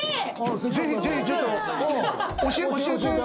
ぜひぜひちょっと教えてください。